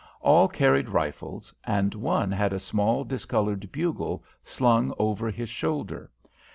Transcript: All carried rifles, and one had a small, discoloured bugle slung over his shoulder.